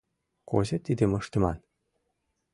Кузе тидым ыштыман?